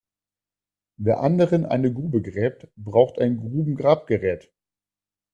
Wer anderen eine Grube gräbt, braucht ein Grubengrabgerät.